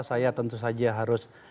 saya tentu saja harus